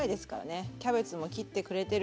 キャベツも切ってくれてる。